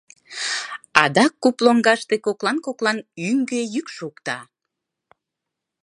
Адак куп лоҥгаште коклан-коклан ӱҥгӧ йӱк шокта.